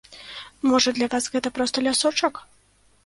Можа, для вас гэта проста лясочак?